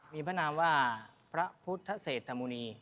มีพระนามว่าพระพุทธเศรษฐมุณี